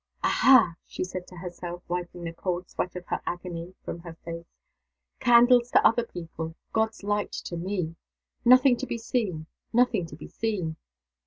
"Aha!" she said to herself, wiping the cold sweat of her agony from her face. "Candles to other people. God's light to me. Nothing to be seen! nothing to be seen!"